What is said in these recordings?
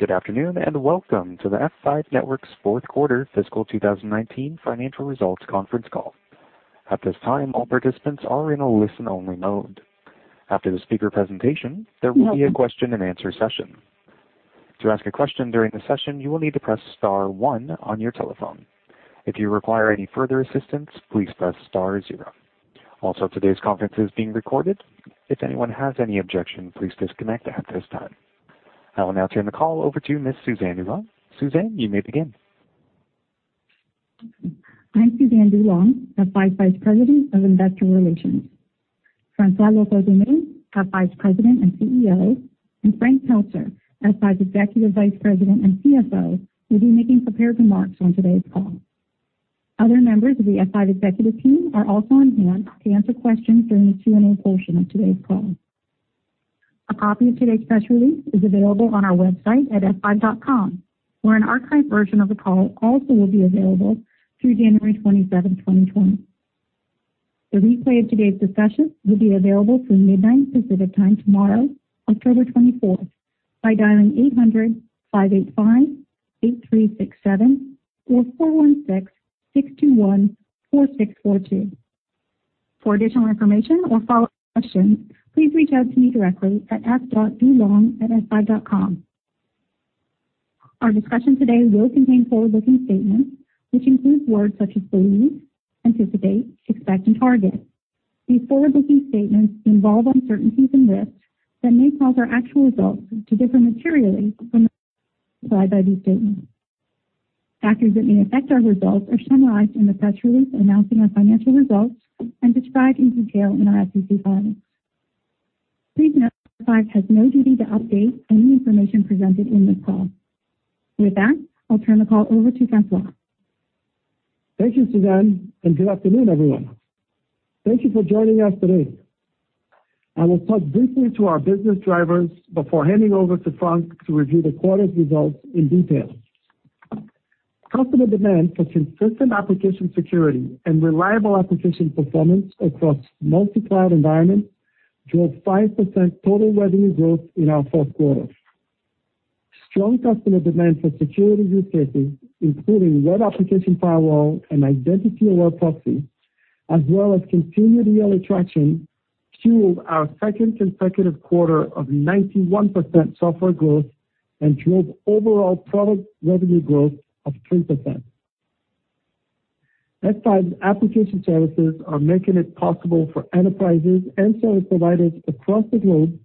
Good afternoon, welcome to the F5 Networks fourth quarter fiscal 2019 financial results conference call. At this time all the participants are in only listen mode, after the speakers presentation there will be a question and answer session. To ask a question during the session you will need to press star one one on your telephone. If you require any further assistance please press star then zero. Also today's conference is being recorded, if anyone has any objection please disconnect at this time. You will now turn the call over to Ms. Suzanne DuLong. Suzanne, you may begin. I'm Suzanne DuLong, F5 Vice President of Investor Relations. François Locoh-Donou, F5 President and CEO, and Frank Pelzer, F5 Executive Vice President and CFO, will be making prepared remarks on today's call. Other members of the F5 executive team are also on hand to answer questions during the Q&A portion of today's call. A copy of today's press release is available on our website at f5.com, where an archived version of the call also will be available through January 27, 2020. The replay of today's discussion will be available through midnight Pacific Time tomorrow, October 24, by dialing 800-585-8367 or 416-621-4642. For additional information or follow questions, please reach out to me directly at s.dulong@f5.com. Our discussion today will contain forward-looking statements, which includes words such as believe, anticipate, expect, and target. These forward-looking statements involve uncertainties and risks that may cause our actual results to differ materially from the ones described by these statements. Factors that may affect our results are summarized in the press release announcing our financial results and described in detail in our SEC filings. Please note that F5 has no duty to update any information presented in this call. With that, I'll turn the call over to François. Thank you, Suzanne. Good afternoon, everyone. Thank you for joining us today. I will talk briefly to our business drivers before handing over to Frank to review the quarter's results in detail. Customer demand for consistent application security and reliable application performance across multi-cloud environments drove 5% total revenue growth in our fourth quarter. Strong customer demand for security use cases, including web application firewall and identity-aware proxy, as well as continued ELA traction, fueled our second consecutive quarter of 91% software growth and drove overall product revenue growth of 3%. F5 application services are making it possible for enterprises and service providers across the globe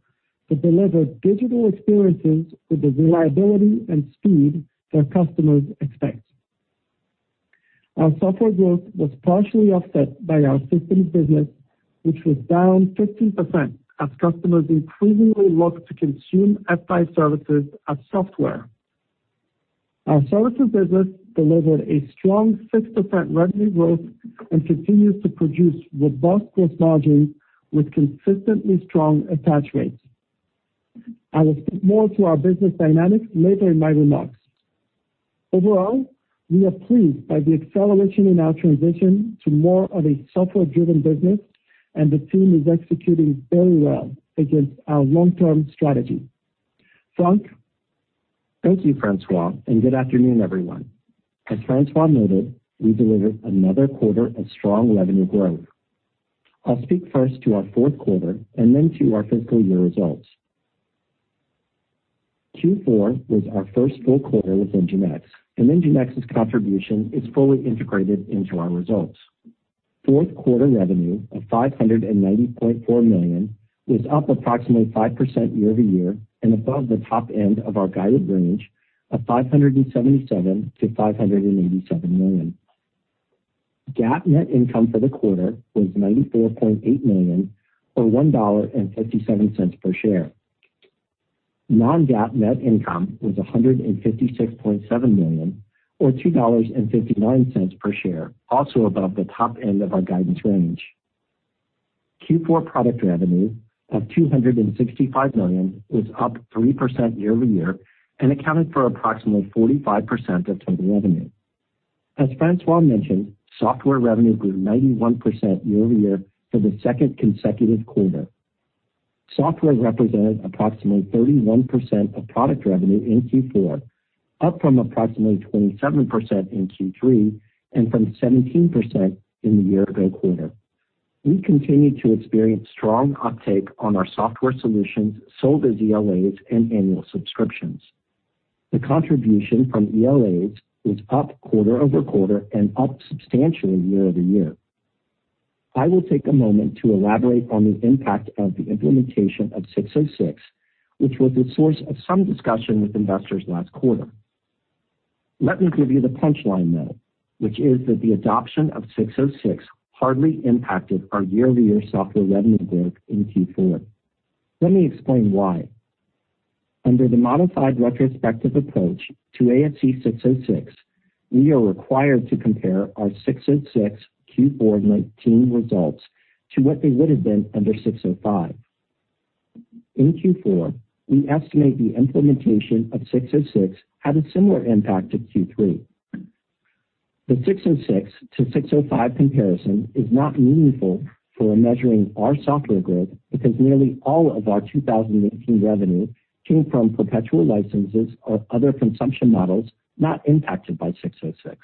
to deliver digital experiences with the reliability and speed their customers expect. Our software growth was partially offset by our systems business, which was down 15% as customers increasingly look to consume F5 services as software. Our services business delivered a strong 6% revenue growth and continues to produce robust gross margins with consistently strong attach rates. I will speak more to our business dynamics later in my remarks. Overall, we are pleased by the acceleration in our transition to more of a software-driven business, and the team is executing very well against our long-term strategy. Frank. Thank you, François, and good afternoon, everyone. As François noted, we delivered another quarter of strong revenue growth. I'll speak first to our fourth quarter and then to our fiscal year results. Q4 was our first full quarter with NGINX, and NGINX's contribution is fully integrated into our results. Fourth quarter revenue of $590.4 million was up approximately 5% year-over-year and above the top end of our guided range of $577 million-$587 million. GAAP net income for the quarter was $94.8 million, or $1.57 per share. Non-GAAP net income was $156.7 million or $2.59 per share, also above the top end of our guidance range. Q4 product revenue of $265 million was up 3% year-over-year and accounted for approximately 45% of total revenue. As François mentioned, software revenue grew 91% year-over-year for the second consecutive quarter. Software represented approximately 31% of product revenue in Q4, up from approximately 27% in Q3 and from 17% in the year-ago quarter. We continue to experience strong uptake on our software solutions sold as ELAs and annual subscriptions. The contribution from ELAs was up quarter-over-quarter and up substantially year-over-year. I will take a moment to elaborate on the impact of the implementation of 606, which was the source of some discussion with investors last quarter. Let me give you the punchline, though, which is that the adoption of 606 hardly impacted our year-over-year software revenue growth in Q4. Let me explain why. Under the modified retrospective approach to ASC 606, we are required to compare our 606 Q4 2019 results to what they would have been under 605. In Q4, we estimate the implementation of 606 had a similar impact to Q3. The 606-605 comparison is not meaningful for measuring our software growth because nearly all of our 2018 revenue came from perpetual licenses or other consumption models not impacted by 606.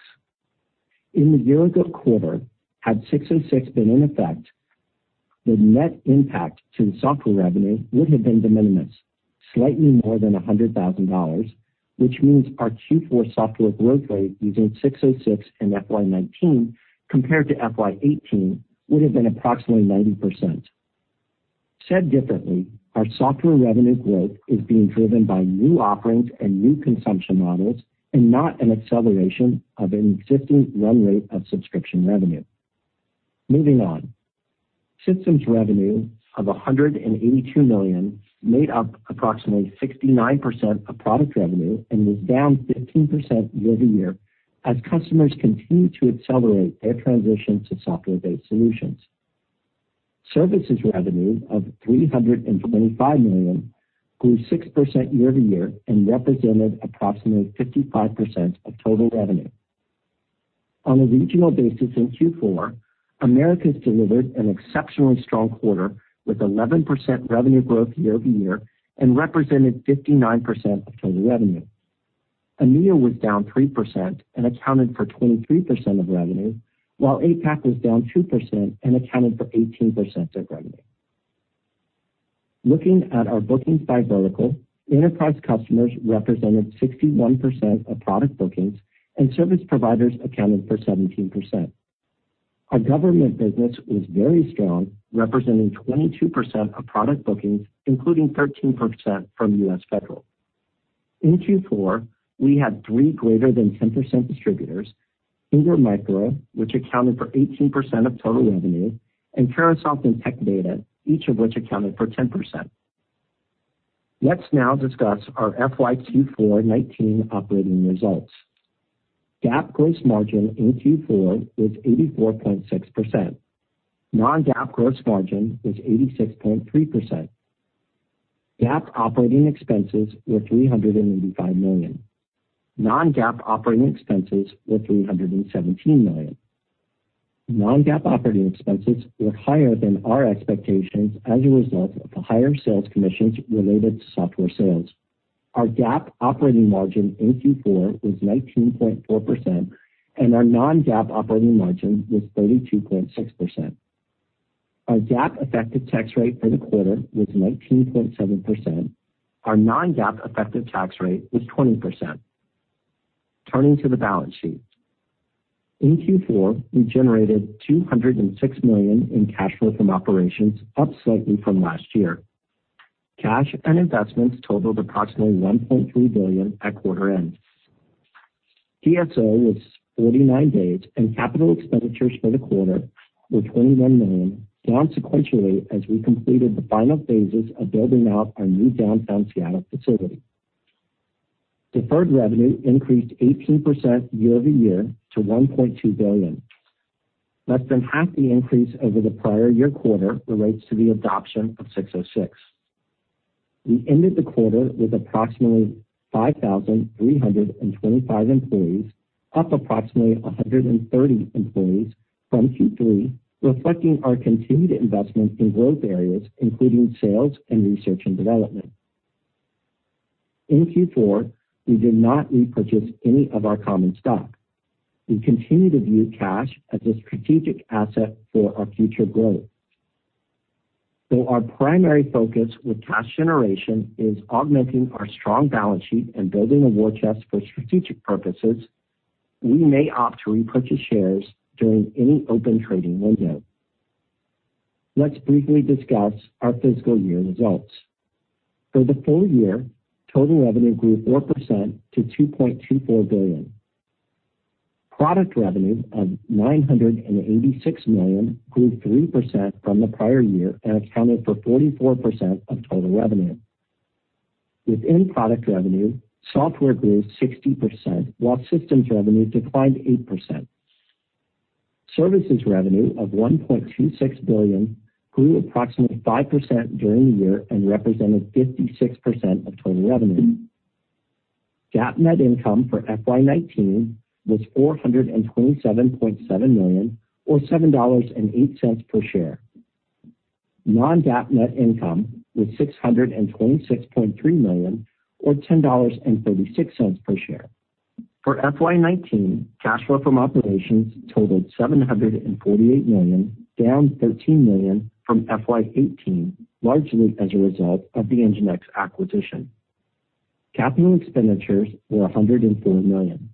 In the year-ago quarter, had 606 been in effect, the net impact to software revenue would have been de minimis, slightly more than $100,000, which means our Q4 software growth rate using 606 and FY 2019 compared to FY 2018 would have been approximately 90%. Said differently, our software revenue growth is being driven by new offerings and new consumption models and not an acceleration of an existing run rate of subscription revenue. Moving on. Systems revenue of $182 million made up approximately 69% of product revenue and was down 15% year-over-year as customers continue to accelerate their transition to software-based solutions. Services revenue of $325 million grew 6% year-over-year and represented approximately 55% of total revenue. On a regional basis in Q4, Americas delivered an exceptionally strong quarter with 11% revenue growth year-over-year and represented 59% of total revenue. EMEA was down 3% and accounted for 23% of revenue, while APAC was down 2% and accounted for 18% of revenue. Looking at our bookings by vertical, enterprise customers represented 61% of product bookings and service providers accounted for 17%. Our government business was very strong, representing 22% of product bookings, including 13% from U.S. Federal. In Q4, we had three greater than 10% distributors, Ingram Micro, which accounted for 18% of total revenue, and Carahsoft and Tech Data, each of which accounted for 10%. Let's now discuss our FYQ4 2019 operating results. GAAP gross margin in Q4 was 84.6%. Non-GAAP gross margin was 86.3%. GAAP operating expenses were $385 million. Non-GAAP operating expenses were $317 million. Non-GAAP operating expenses were higher than our expectations as a result of the higher sales commissions related to software sales. Our GAAP operating margin in Q4 was 19.4%, and our non-GAAP operating margin was 32.6%. Our GAAP effective tax rate for the quarter was 19.7%. Our non-GAAP effective tax rate was 20%. Turning to the balance sheet. In Q4, we generated $206 million in cash flow from operations, up slightly from last year. Cash and investments totaled approximately $1.3 billion at quarter end. DSO was 49 days, and capital expenditures for the quarter were $21 million, down sequentially as we completed the final phases of building out our new downtown Seattle facility. Deferred revenue increased 18% year-over-year to $1.2 billion. Less than half the increase over the prior year quarter relates to the adoption of ASC 606. We ended the quarter with approximately 5,325 employees, up approximately 130 employees from Q3, reflecting our continued investment in growth areas, including sales and research and development. In Q4, we did not repurchase any of our common stock. We continue to view cash as a strategic asset for our future growth. Though our primary focus with cash generation is augmenting our strong balance sheet and building a war chest for strategic purposes, we may opt to repurchase shares during any open trading window. Let's briefly discuss our fiscal year results. For the full year, total revenue grew 4% to $2.24 billion. Product revenue of $986 million grew 3% from the prior year and accounted for 44% of total revenue. Within product revenue, software grew 60%, while systems revenue declined 8%. Services revenue of $1.26 billion grew approximately 5% during the year and represented 56% of total revenue. GAAP net income for FY 2019 was $427.7 million, or $7.08 per share. Non-GAAP net income was $626.3 million, or $10.36 per share. For FY 2019, cash flow from operations totaled $748 million, down $13 million from FY 2018, largely as a result of the NGINX acquisition. Capital expenditures were $104 million.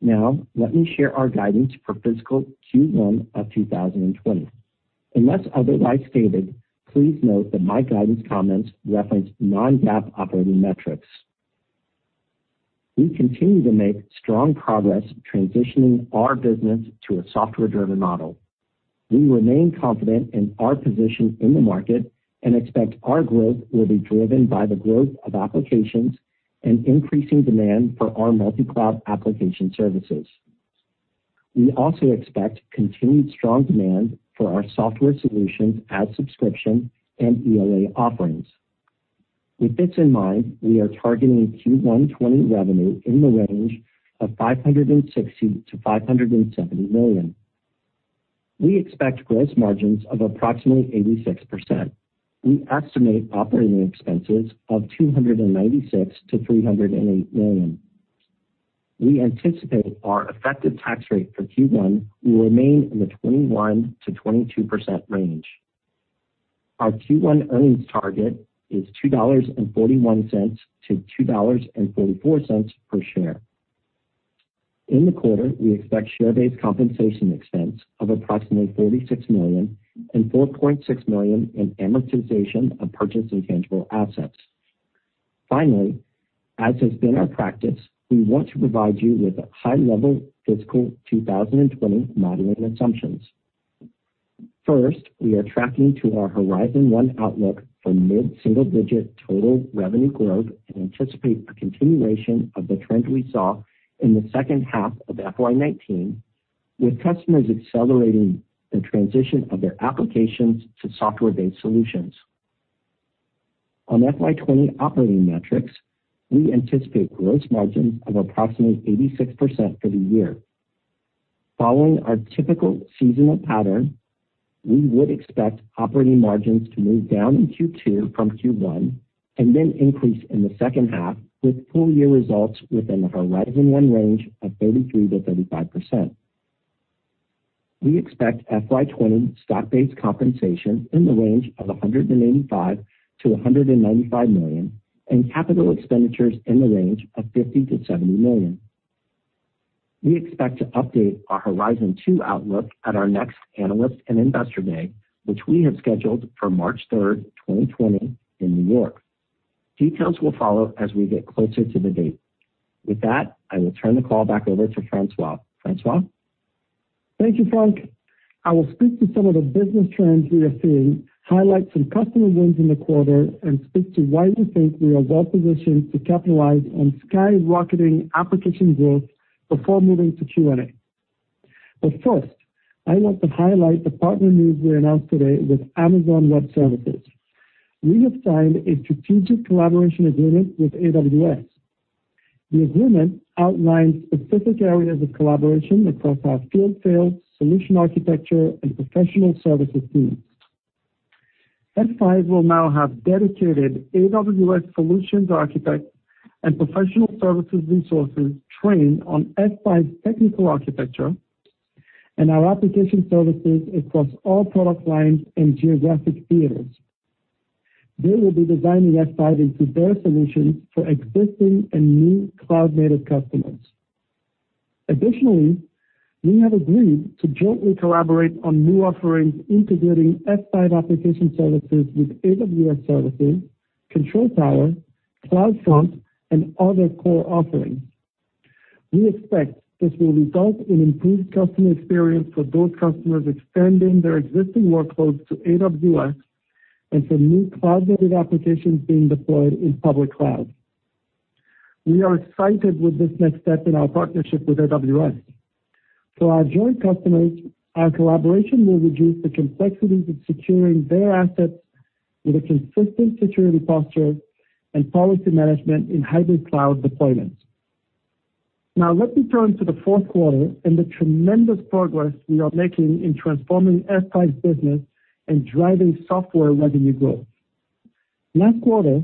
Now, let me share our guidance for fiscal Q1 of 2020. Unless otherwise stated, please note that my guidance comments reference non-GAAP operating metrics. We continue to make strong progress transitioning our business to a software-driven model. We remain confident in our position in the market and expect our growth will be driven by the growth of applications and increasing demand for our multi-cloud application services. We also expect continued strong demand for our software solutions as subscription and ELA offerings. With this in mind, we are targeting Q1 2020 revenue in the range of $560 million-$570 million. We expect gross margins of approximately 86%. We estimate operating expenses of $296 million-$308 million. We anticipate our effective tax rate for Q1 will remain in the 21%-22% range. Our Q1 earnings target is $2.41-$2.44 per share. In the quarter, we expect share-based compensation expense of approximately $46 million and $4.6 million in amortization of purchased intangible assets. Finally, as has been our practice, we want to provide you with a high-level fiscal 2020 modeling assumptions. First, we are tracking to our Horizon 1 outlook for mid-single-digit total revenue growth and anticipate a continuation of the trend we saw in the second half of FY 2019, with customers accelerating the transition of their applications to software-based solutions. On FY 2020 operating metrics, we anticipate gross margins of approximately 86% for the year. Following our typical seasonal pattern, we would expect operating margins to move down in Q2 from Q1 and then increase in the second half with full year results within the Horizon 1 range of 33%-35%. We expect FY 2020 stock-based compensation in the range of $185 million-$195 million and capital expenditures in the range of $50 million-$70 million. We expect to update our Horizon 2 outlook at our next analyst and investor day, which we have scheduled for March 3rd, 2020 in New York. Details will follow as we get closer to the date. With that, I will turn the call back over to François. François? Thank you, Frank. I will speak to some of the business trends we are seeing, highlight some customer wins in the quarter, and speak to why we think we are well-positioned to capitalize on skyrocketing application growth before moving to Q&A. First, I want to highlight the partner news we announced today with Amazon Web Services. We have signed a strategic collaboration agreement with AWS. The agreement outlines specific areas of collaboration across our field sales, solution architecture, and professional services teams. F5 will now have dedicated AWS solutions architects and professional services resources trained on F5's technical architecture and our application services across all product lines and geographic theaters. They will be designing F5 into their solutions for existing and new cloud-native customers. Additionally, we have agreed to jointly collaborate on new offerings integrating F5 application services with AWS services, Control Tower, CloudFront, and other core offerings. We expect this will result in improved customer experience for those customers extending their existing workloads to AWS and for new cloud-native applications being deployed in public cloud. We are excited with this next step in our partnership with AWS. For our joint customers, our collaboration will reduce the complexities of securing their assets with a consistent security posture and policy management in hybrid cloud deployments. Now let me turn to the fourth quarter and the tremendous progress we are making in transforming F5's business and driving software revenue growth. Last quarter,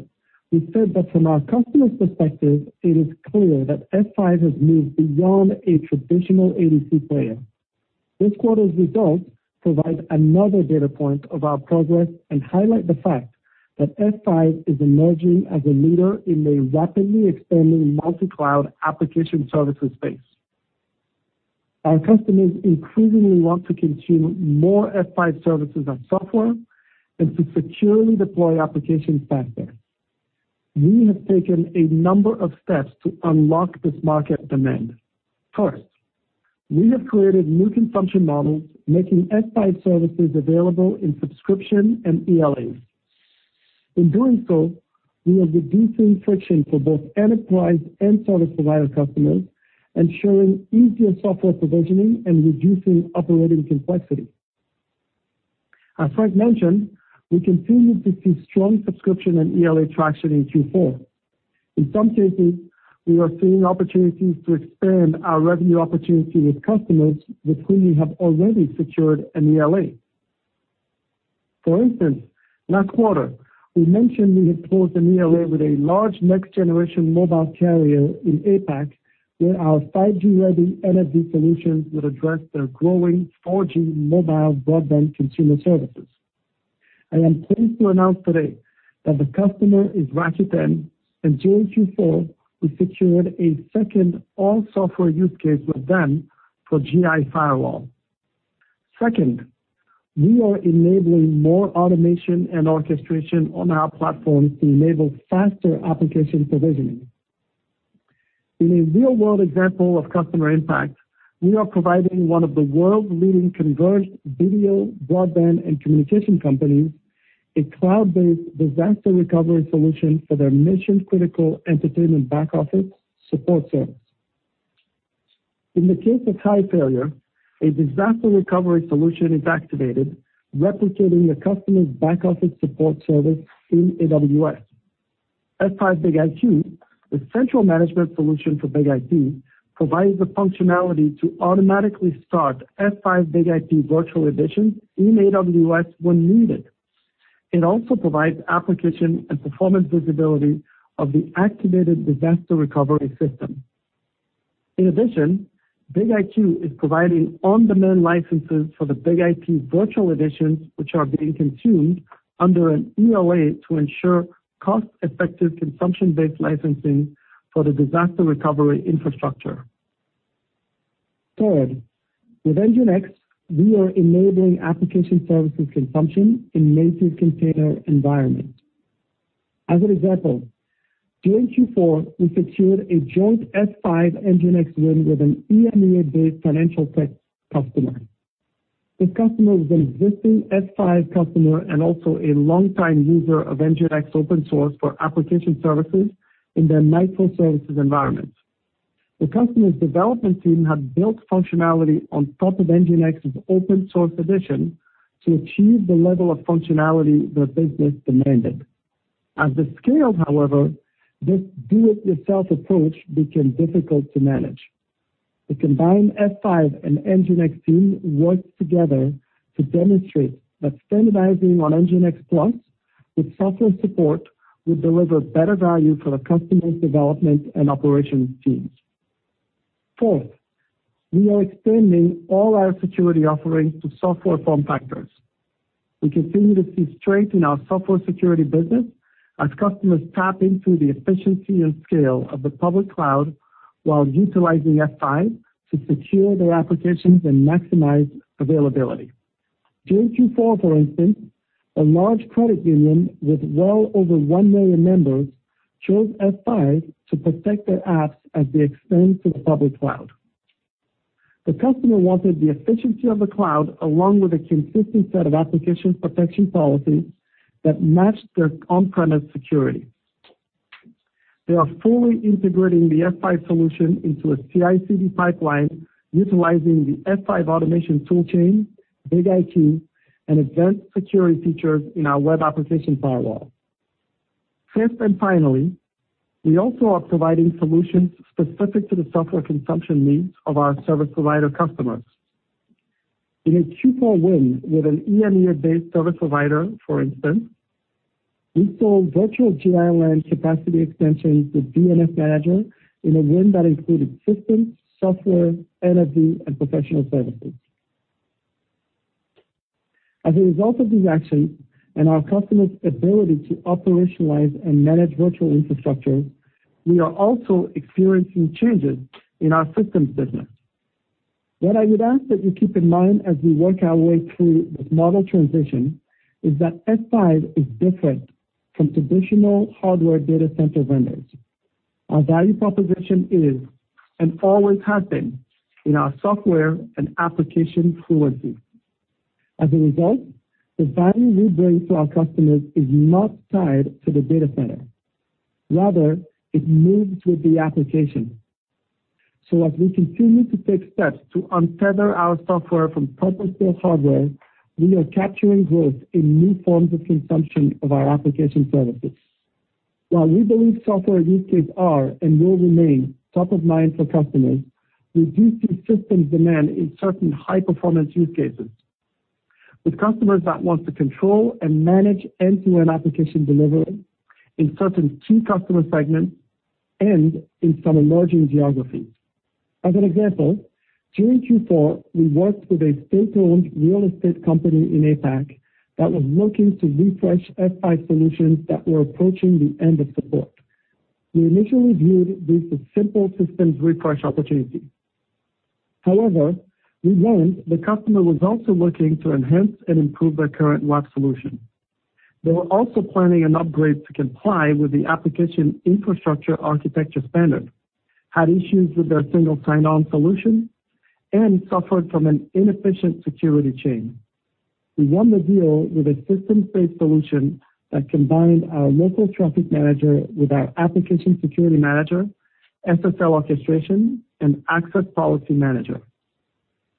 we said that from our customers' perspective, it is clear that F5 has moved beyond a traditional ADC player. This quarter's results provide another data point of our progress and highlight the fact that F5 is emerging as a leader in a rapidly expanding multi-cloud application services space. Our customers increasingly want to consume more F5 services and software and to securely deploy applications faster. We have taken a number of steps to unlock this market demand. First, we have created new consumption models making F5 services available in subscription and ELAs. In doing so, we are reducing friction for both enterprise and service provider customers, ensuring easier software provisioning and reducing operating complexity. As Frank mentioned, we continue to see strong subscription and ELA traction in Q4. In some cases, we are seeing opportunities to expand our revenue opportunity with customers with whom we have already secured an ELA. For instance, last quarter, we mentioned we had closed an ELA with a large next-generation mobile carrier in APAC where our 5G-Ready NFV solutions would address their growing 4G mobile broadband consumer services. I am pleased to announce today that the customer is Rakuten, and during Q4, we secured a second all-software use case with them for Gi firewall. Second, we are enabling more automation and orchestration on our platforms to enable faster application provisioning. In a real-world example of customer impact, we are providing one of the world's leading converged video, broadband, and communication companies a cloud-based disaster recovery solution for their mission-critical entertainment back office support center. In the case of high failure, a disaster recovery solution is activated, replicating a customer's back office support service in AWS. F5 BIG-IQ, the central management solution for BIG-IP, provides the functionality to automatically start F5 BIG-IP Virtual Editions in AWS when needed. It also provides application and performance visibility of the activated disaster recovery system. In addition, BIG-IQ is providing on-demand licenses for the BIG-IP virtual editions which are being consumed under an ELA to ensure cost-effective consumption-based licensing for the disaster recovery infrastructure. Third, with NGINX, we are enabling application services consumption in native container environment. As an example, during Q4, we secured a joint F5 NGINX win with an EMEA-based financial tech customer. This customer was an existing F5 customer and also a long-time user of NGINX open source for application services in their microservices environment. The customer's development team had built functionality on top of NGINX's open source edition to achieve the level of functionality their business demanded. As they scaled, however, this do-it-yourself approach became difficult to manage. The combined F5 and NGINX team worked together to demonstrate that standardizing on NGINX Plus with software support would deliver better value for the customer's development and operations teams. Fourth, we are extending all our security offerings to software form factors. We continue to see strength in our software security business as customers tap into the efficiency and scale of the public cloud while utilizing F5 to secure their applications and maximize availability. During Q4, for instance, a large credit union with well over 1 million members chose F5 to protect their apps as they expand to the public cloud. The customer wanted the efficiency of the cloud along with a consistent set of application protection policies that matched their on-premise security. They are fully integrating the F5 solution into a CI/CD pipeline utilizing the F5 automation tool chain, BIG-IQ, and advanced security features in our web application firewall. Fifth, and finally, we also are providing solutions specific to the software consumption needs of our service provider customers. In a Q4 win with an EMEA-based service provider, for instance, we sold virtual GSLB capacity extensions with DNS manager in a win that included systems, software, NGINX, and professional services. As a result of these actions and our customers' ability to operationalize and manage virtual infrastructure, we are also experiencing changes in our systems business. What I would ask that you keep in mind as we work our way through this model transition is that F5 is different from traditional hardware data center vendors. Our value proposition is, and always has been, in our software and application fluency. As a result, the value we bring to our customers is not tied to the data center. Rather, it moves with the application. As we continue to take steps to untether our software from purpose-built hardware, we are capturing growth in new forms of consumption of our application services. While we believe software use cases are and will remain top of mind for customers, we do see systems demand in certain high-performance use cases with customers that want to control and manage end-to-end application delivery in certain key customer segments and in some emerging geographies. As an example, during Q4, we worked with a state-owned real estate company in APAC that was looking to refresh F5 solutions that were approaching the end of support. We initially viewed this as simple systems refresh opportunity. We learned the customer was also looking to enhance and improve their current WAF solution. They were also planning an upgrade to comply with the application infrastructure architecture standard, had issues with their single sign-on solution, and suffered from an inefficient security chain. We won the deal with a systems-based solution that combined our Local Traffic Manager with our Application Security Manager, SSL orchestration, and Access Policy Manager.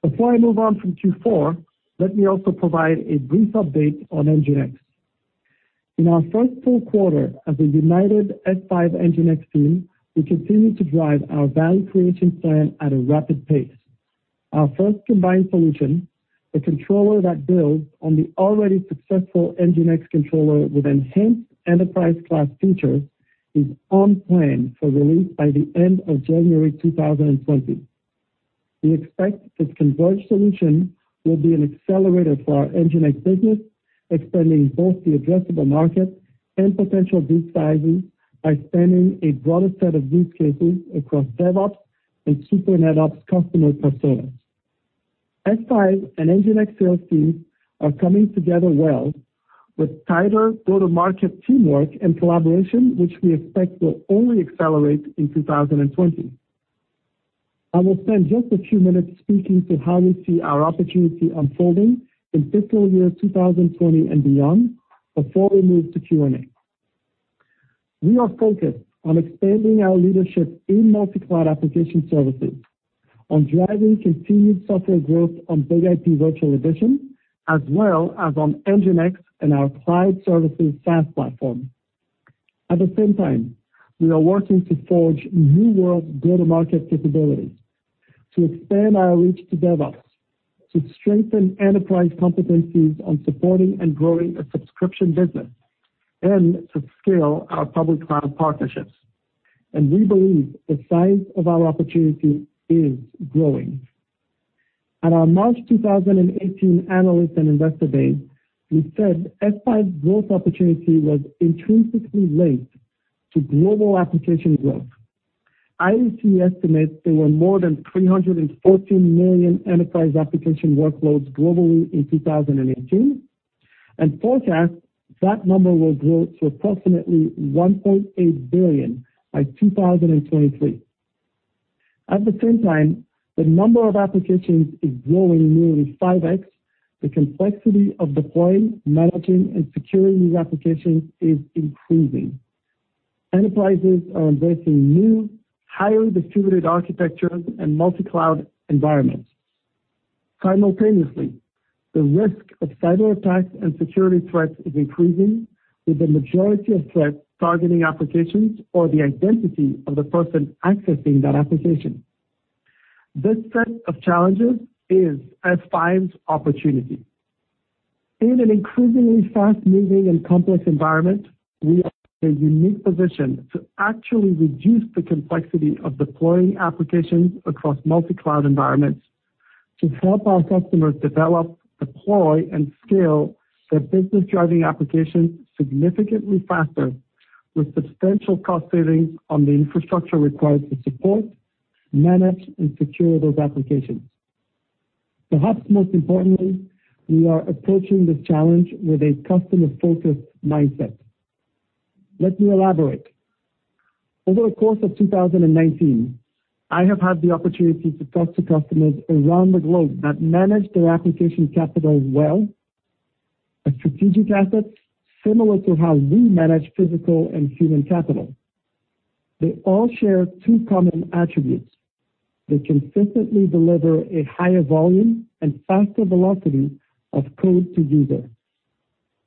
Before I move on from Q4, let me also provide a brief update on NGINX. In our first full quarter as a united F5 NGINX team, we continue to drive our value creation plan at a rapid pace. Our first combined solution, a controller that builds on the already successful NGINX controller with enhanced enterprise-class features, is on plan for release by the end of January 2020. We expect this converged solution will be an accelerator for our NGINX business, expanding both the addressable market and potential deal sizes by spanning a broader set of use cases across DevOps and Super-NetOps customer personas. F5 and NGINX sales teams are coming together well with tighter go-to-market teamwork and collaboration, which we expect will only accelerate in 2020. I will spend just a few minutes speaking to how we see our opportunity unfolding in fiscal year 2020 and beyond before we move to Q&A. We are focused on expanding our leadership in multi-cloud application services, on driving continued software growth on BIG-IP Virtual Edition, as well as on NGINX and our applied services SaaS platform. At the same time, we are working to forge new world go-to-market capabilities to expand our reach to DevOps, to strengthen enterprise competencies on supporting and growing a subscription business, and to scale our public cloud partnerships. We believe the size of our opportunity is growing. At our March 2018 Analyst and Investor Day, we said F5 growth opportunity was intrinsically linked to global application growth. IDC estimates there were more than 314 million enterprise application workloads globally in 2018, and forecasts that number will grow to approximately 1.8 billion by 2023. At the same time, the number of applications is growing nearly 5x. The complexity of deploying, managing, and securing these applications is increasing. Enterprises are embracing new, highly distributed architectures and multi-cloud environments. Simultaneously, the risk of cyber attacks and security threats is increasing, with the majority of threats targeting applications or the identity of the person accessing that application. This set of challenges is F5's opportunity. In an increasingly fast-moving and complex environment, we are in a unique position to actually reduce the complexity of deploying applications across multi-cloud environments to help our customers develop, deploy, and scale their business-driving applications significantly faster with substantial cost savings on the infrastructure required to support, manage, and secure those applications. Perhaps most importantly, we are approaching this challenge with a customer-focused mindset. Let me elaborate. Over the course of 2019, I have had the opportunity to talk to customers around the globe that manage their application capital well, a strategic asset similar to how we manage physical and human capital. They all share two common attributes. They consistently deliver a higher volume and faster velocity of code to user.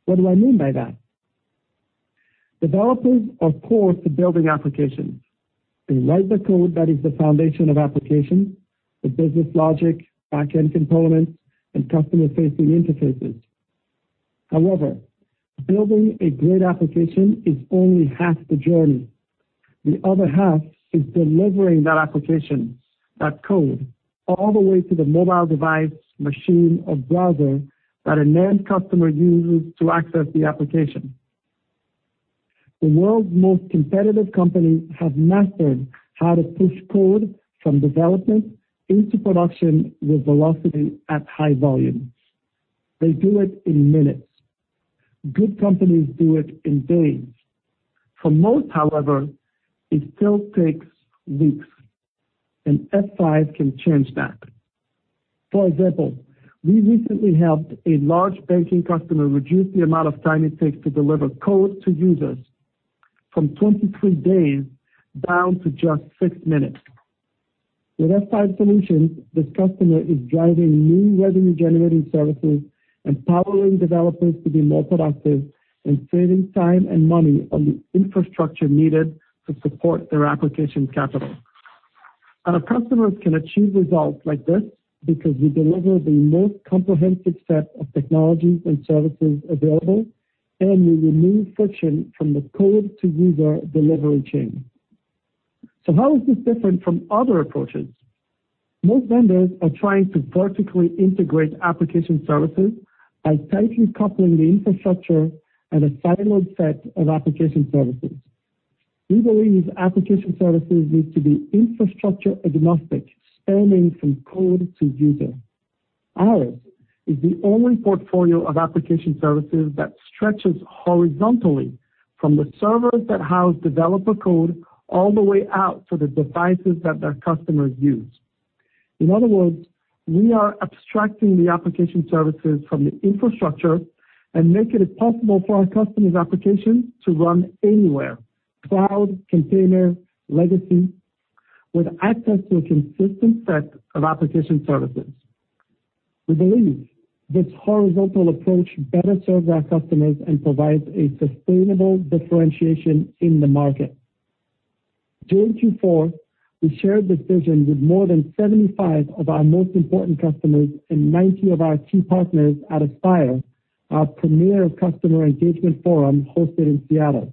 What do I mean by that? Developers are core to building applications. They write the code that is the foundation of application, the business logic, back-end components, and customer-facing interfaces. However, building a great application is only half the journey. The other half is delivering that application, that code, all the way to the mobile device, machine, or browser that an end customer uses to access the application. The world's most competitive companies have mastered how to push code from development into production with velocity at high volume. They do it in minutes. Good companies do it in days. For most, however, it still takes weeks, and F5 can change that. For example, we recently helped a large banking customer reduce the amount of time it takes to deliver code to users from 23 days down to just six minutes. With F5 solutions, this customer is driving new revenue-generating services, empowering developers to be more productive, and saving time and money on the infrastructure needed to support their application capital. Our customers can achieve results like this because we deliver the most comprehensive set of technologies and services available, and we remove friction from the code-to-user delivery chain. How is this different from other approaches? Most vendors are trying to vertically integrate application services by tightly coupling the infrastructure and a siloed set of application services. We believe application services need to be infrastructure-agnostic, spanning from code to user. Ours is the only portfolio of application services that stretches horizontally from the servers that house developer code all the way out to the devices that their customers use. In other words, we are abstracting the application services from the infrastructure and making it possible for our customers' applications to run anywhere, cloud, container, legacy, with access to a consistent set of application services. We believe this horizontal approach better serves our customers and provides a sustainable differentiation in the market. During Q4, we shared this vision with more than 75 of our most important customers and 90 of our key partners at Aspire, our premier customer engagement forum hosted in Seattle.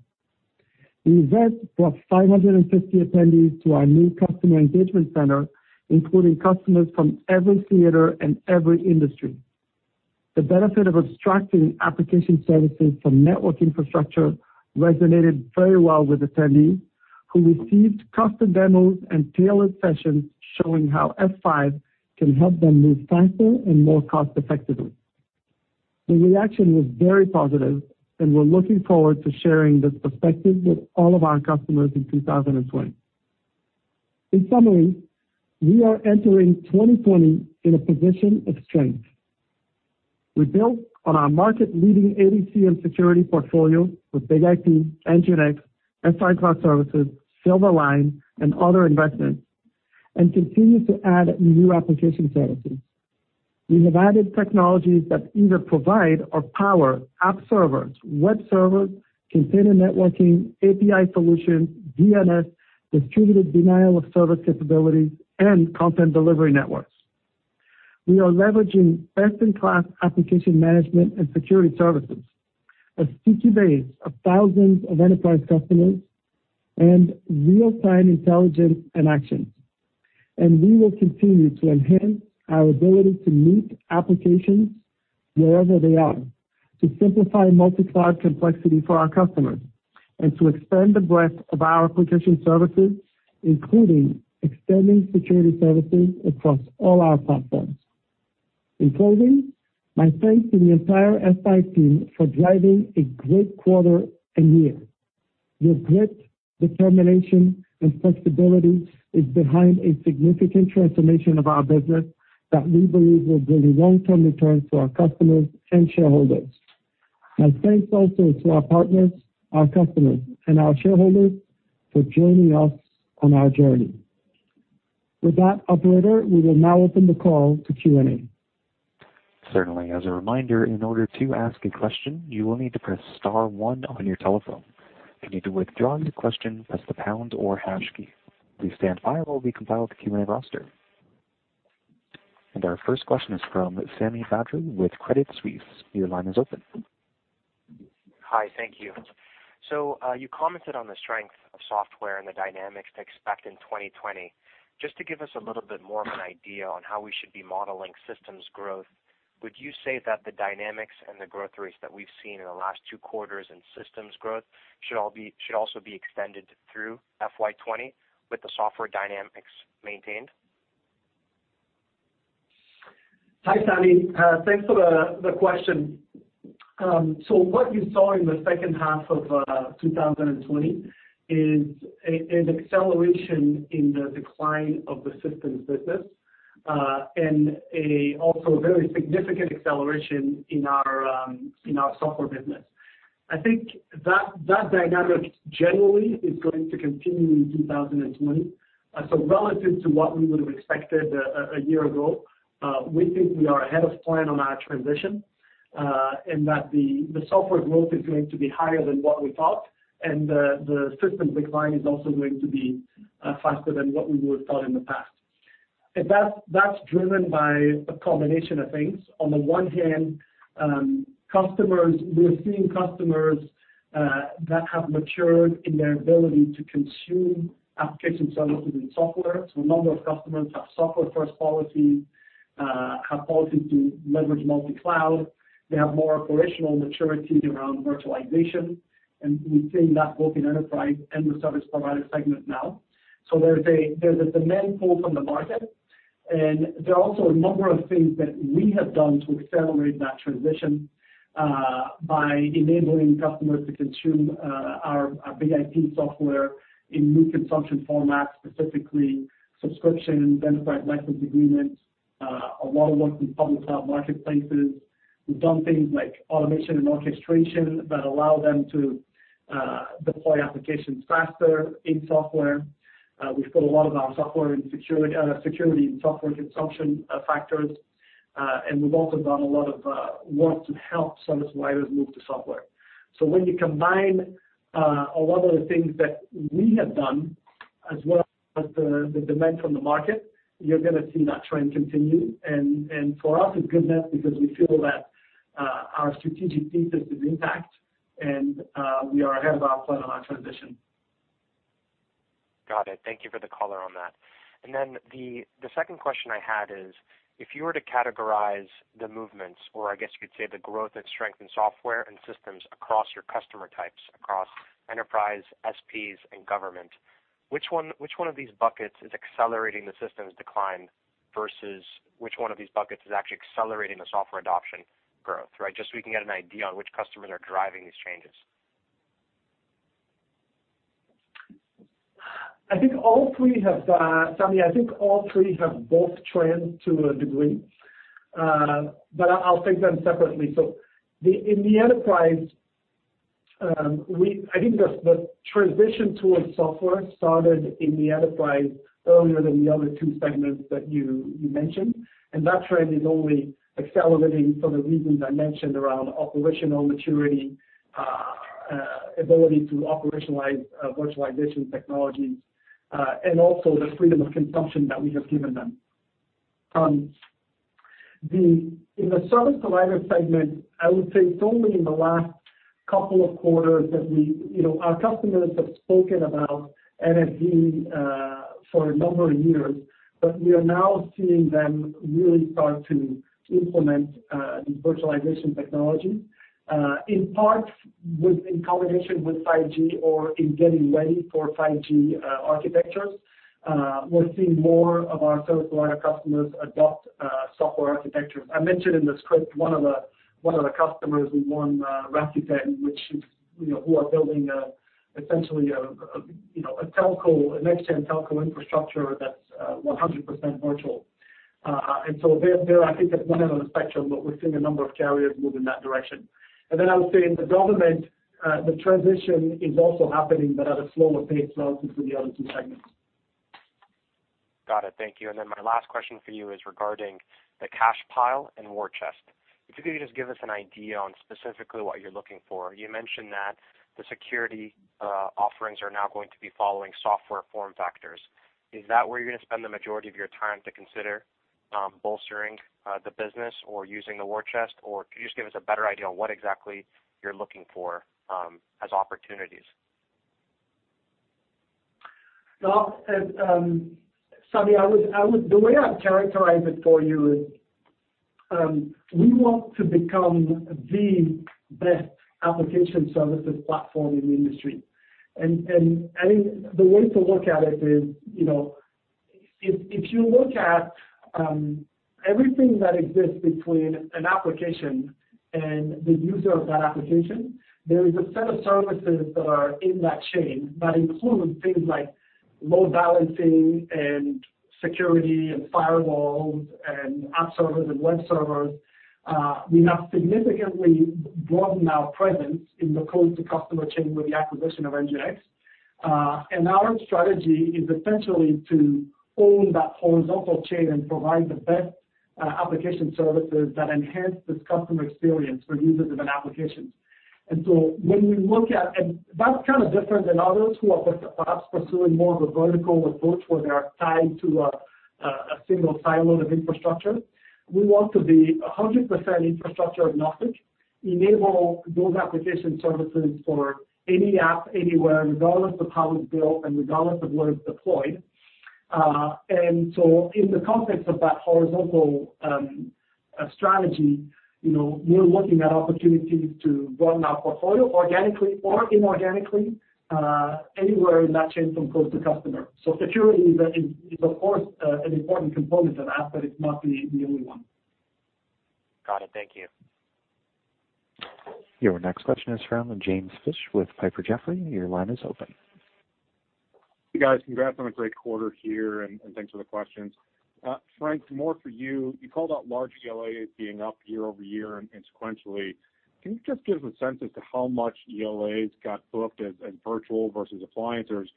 The event brought 550 attendees to our new customer engagement center, including customers from every theater and every industry. The benefit of abstracting application services from network infrastructure resonated very well with attendees who received custom demos and tailored sessions showing how F5 can help them move faster and more cost-effectively. The reaction was very positive, and we're looking forward to sharing this perspective with all of our customers in 2020. In summary, we are entering 2020 in a position of strength. We built on our market leading ADC and security portfolio with BIG-IP, NGINX, F5 Distributed Cloud Services, Silverline and other investments, and continue to add new application services. We have added technologies that either provide or power app servers, web servers, container networking, API solutions, DNS, distributed denial of service capabilities, and content delivery networks. We are leveraging best-in-class application management and security services, a sticky base of thousands of enterprise customers, and real-time intelligence and actions. We will continue to enhance our ability to move applications wherever they are to simplify multi-cloud complexity for our customers and to expand the breadth of our application services, including extending security services across all our platforms. In closing, my thanks to the entire F5 team for driving a great quarter and year. Your grit, determination, and flexibility is behind a significant transformation of our business that we believe will bring long-term returns to our customers and shareholders. My thanks also to our partners, our customers, and our shareholders for joining us on our journey. With that, operator, we will now open the call to Q&A. Certainly as a reminder in order to ask a question you will need to press star one on your telephone. To withdrawal your question press the pounds or hash key. Please stand by as we compile Q&A roster. Our first question is from Sami Badri with Credit Suisse. Your line is open. Hi. Thank you. You commented on the strength of software and the dynamics to expect in 2020. Just to give us a little bit more of an idea on how we should be modeling systems growth, would you say that the dynamics and the growth rates that we've seen in the last two quarters in systems growth should also be extended through FY 2020 with the software dynamics maintained? Hi, Sami. Thanks for the question. What you saw in the second half of 2020 is an acceleration in the decline of the systems business and a also very significant acceleration in our in our software business. I think that dynamic generally is going to continue in 2020. Relative to what we would have expected a year ago, we think we are ahead of plan on our transition, and that the software growth is going to be higher than what we thought and the systems decline is also going to be faster than what we would have thought in the past. That's driven by a combination of things. On the one hand, we're seeing customers that have matured in their ability to consume application services and software. A number of customers have software first policy, have policy to leverage multi-cloud. They have more operational maturity around virtualization. We've seen that both in enterprise and the service provider segment now. There's a demand pull from the market, and there are also a number of things that we have done to accelerate that transition by enabling customers to consume our BIG-IP software in new consumption formats, specifically subscription, enterprise license agreements, a lot of work in public cloud marketplaces. We've done things like automation and orchestration that allow them to deploy applications faster in software. We've put a lot of our software in security and software consumption factors. We've also done a lot of work to help service providers move to software. When you combine a lot of the things that we have done as well as the demand from the market, you're going to see that trend continue. For us it's good news because we feel that our strategic thesis is intact and we are ahead of our plan on our transition. Got it. Thank you for the color on that. Then the second question I had is, if you were to categorize the movements or I guess you could say the growth and strength in software and systems across your customer types, across enterprise, SPs and government, which one of these buckets is accelerating the systems decline versus which one of these buckets is actually accelerating the software adoption growth, right? Just so we can get an idea on which customers are driving these changes. I think all three have, Sami, I think all three have both trends to a degree. I'll take them separately. In the enterprise, I think the transition towards software started in the enterprise earlier than the other two segments that you mentioned, and that trend is only accelerating for the reasons I mentioned around operational maturity, ability to operationalize, virtualization technologies, and also the freedom of consumption that we have given them. In the service provider segment, I would say it's only in the last couple of quarters that we, you know, our customers have spoken about NFV for a number of years, we are now seeing them really start to implement these virtualization technologies in part in combination with 5G or in getting ready for 5G architectures. We're seeing more of our service provider customers adopt software architectures. I mentioned in the script one of the- One of the customers we won, Rakuten, which is, you know, who are building, essentially a, you know, a telco, a next gen telco infrastructure that's 100% virtual. They're I think at one end of the spectrum, but we're seeing a number of carriers move in that direction. I would say in the government, the transition is also happening but at a slower pace relative to the other two segments. Got it. Thank you. My last question for you is regarding the cash pile and war chest. If you could just give us an idea on specifically what you're looking for. You mentioned that the security offerings are now going to be following software form factors. Is that where you're gonna spend the majority of your time to consider bolstering the business or using the war chest? Could you just give us a better idea on what exactly you're looking for as opportunities? Well, Sami, the way I'd characterize it for you is, we want to become the best application services platform in the industry. The way to look at it is, you know, if you look at everything that exists between an application and the user of that application, there is a set of services that are in that chain that include things like load balancing and security and firewalls and app servers and web servers. We have significantly broadened our presence in the code-to-customer chain with the acquisition of NGINX. Our strategy is essentially to own that horizontal chain and provide the best application services that enhance this customer experience for users of an application. That's kind of different than others who are perhaps pursuing more of a vertical approach, where they are tied to a single silo of infrastructure. We want to be 100% infrastructure agnostic, enable those application services for any app anywhere, regardless of how it's built and regardless of where it's deployed. In the context of that horizontal strategy, you know, we're looking at opportunities to broaden our portfolio organically or inorganically, anywhere in that chain from code to customer. Security is of course an important component of that, but it's not the only one. Got it. Thank you. Your next question is from James Fish with Piper Jaffray. Your line is open. Hey, guys. Congrats on a great quarter here, thanks for the questions. Frank, more for you. You called out large ELAs being up year-over-year and sequentially. Can you just give us a sense as to how much ELAs got booked as virtual versus appliances?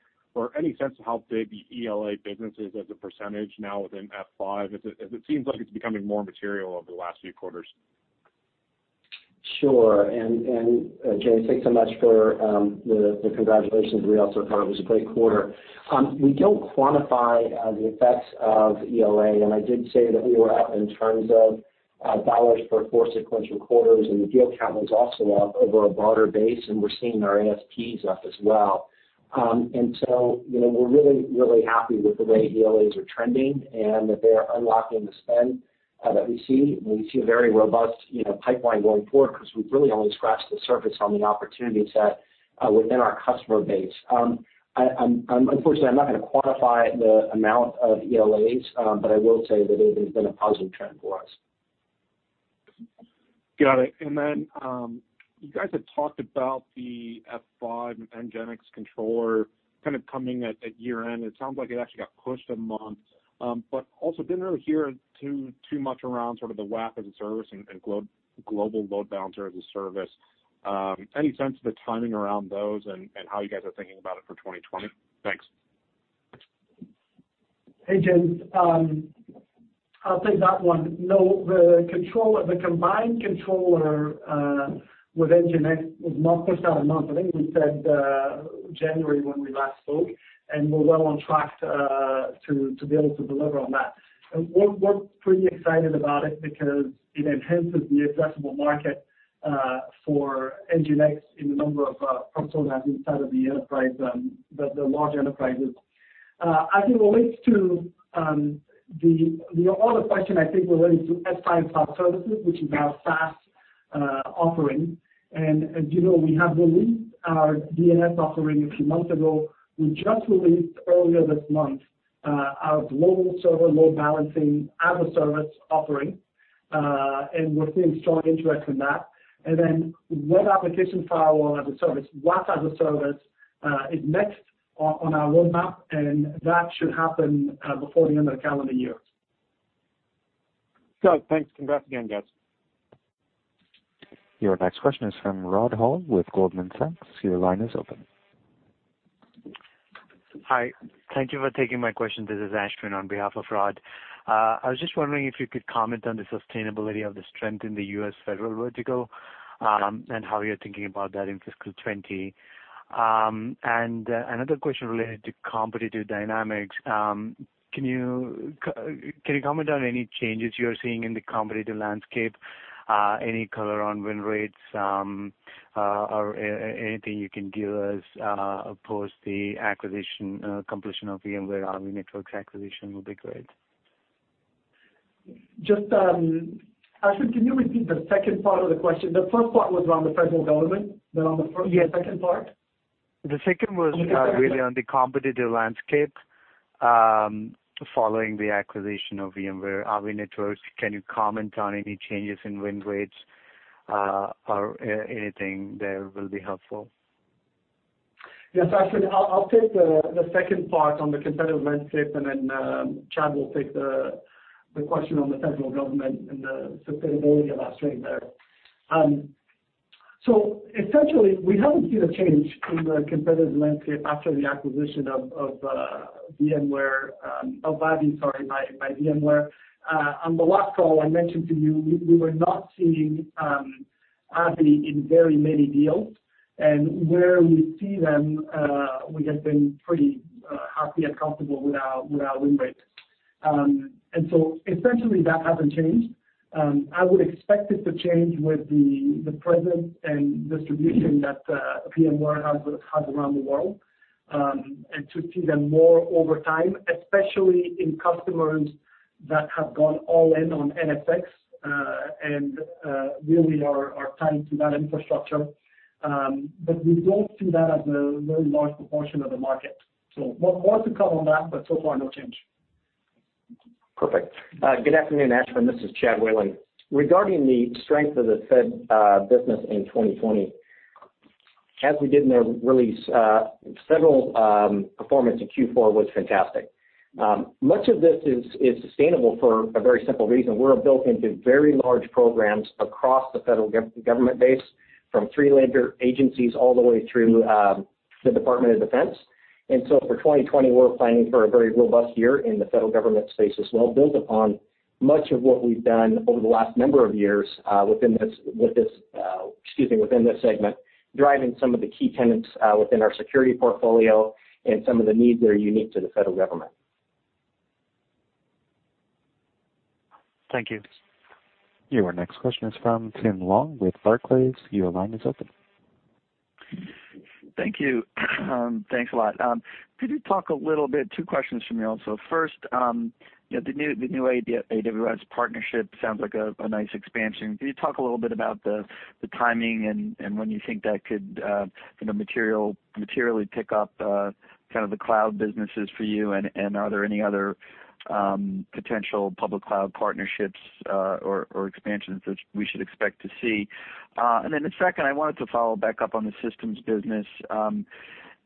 Any sense of how big the ELA business is as a % now within F5? As it seems like it's becoming more material over the last few quarters. Sure. James, thanks so much for the congratulations. We also thought it was a great quarter. We don't quantify the effects of ELA. I did say that we were up in terms of dollars per four sequential quarters, and the deal count was also up over a broader base, and we're seeing our ASPs up as well. You know, we're really happy with the way ELAs are trending and that they are unlocking the spend that we see. We see a very robust, you know, pipeline going forward because we've really only scratched the surface on the opportunity set within our customer base. Unfortunately, I'm not gonna quantify the amount of ELAs. I will say that it has been a positive trend for us. Got it. You guys had talked about the F5 and NGINX controller kind of coming at year end. It sounds like it actually got pushed a month. Didn't really hear too much around sort of the WAF as a service and global load balancer as a service. Any sense of the timing around those and how you guys are thinking about it for 2020? Thanks. Hey, James. I'll take that one. No, the controller, the combined controller, with NGINX was not pushed out a month. I think we said January when we last spoke, and we're well on track to be able to deliver on that. We're pretty excited about it because it enhances the addressable market for NGINX in a number of personas inside of the enterprise, the large enterprises. As it relates to the other question, I think relates to F5 Distributed Cloud Services, which is our SaaS offering. As you know, we have released our DNS offering a few months ago. We just released earlier this month our Global Server Load Balancing as a service offering, and we're seeing strong interest in that. Web application firewall as a service, WAF as a service, is next on our roadmap, and that should happen before the end of the calendar year. Got it. Thanks. Congrats again, guys. Your next question is from Rod Hall with Goldman Sachs. Your line is open. Hi. Thank you for taking my question. This is Ashwin on behalf of Rod. I was just wondering if you could comment on the sustainability of the strength in the U.S. Federal vertical, and how you're thinking about that in fiscal 2020. Another question related to competitive dynamics. Can you comment on any changes you're seeing in the competitive landscape? Any color on win rates, or anything you can give us post the acquisition completion of VMware Avi Networks' acquisition would be great. Just, Ashwin, can you repeat the second part of the question? The first part was around the U.S. Federal Government. Yes. Second part? The second was really on the competitive landscape, following the acquisition of VMware, Avi Networks, can you comment on any changes in win rates or anything that will be helpful? Yes, actually, I'll take the second part on the competitive landscape. Chad will take the question on the Federal government and the sustainability of our strength there. Essentially we haven't seen a change in the competitive landscape after the acquisition of VMware, of Avi, sorry, by VMware. On the last call, I mentioned to you we were not seeing Avi in very many deals. Where we see them, we have been pretty happy and comfortable with our win rate. Essentially that hasn't changed. I would expect it to change with the presence and distribution that VMware has around the world, and to see them more over time, especially in customers that have gone all in on NSX, and really are tied to that infrastructure. We don't see that as a very large proportion of the market. More to come on that, but so far, no change. Perfect. Good afternoon, Ashwin. This is Chad Whalen. Regarding the strength of the Federal business in 2020, as we did in the release, several performance in Q4 was fantastic. Much of this is sustainable for a very simple reason. We're built into very large programs across the Federal Government base from three-letter agencies all the way through the Department of Defense. For 2020, we're planning for a very robust year in the Federal Government space as well, built upon much of what we've done over the last number of years within this segment, driving some of the key tenants within our security portfolio and some of the needs that are unique to the Federal Government. Thank you. Your next question is from Tim Long with Barclays. Your line is open. Thank you. Thanks a lot. Could you talk a little bit, two questions from me also. First, you know, the new AWS partnership sounds like a nice expansion. Could you talk a little bit about the timing and when you think that could, you know, materially pick up kind of the cloud businesses for you? Are there any other potential public cloud partnerships or expansions that we should expect to see? Then the second, I wanted to follow back up on the systems business.